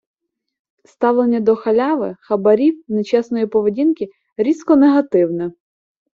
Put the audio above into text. Ставлення до халяви, хабарів, нечесної поведінки - різко негативне.